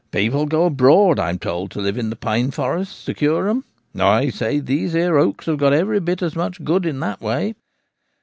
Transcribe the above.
People go abroad, I'm told, to live in the pine forests to cure 'em : I say these here oaks have got every bit as much good in that way.